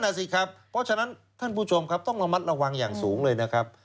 นั่นสิครับเพราะฉะนั้นท่านผู้ชมครับต้องระมัดระวังอย่างสูงเลยนะครับ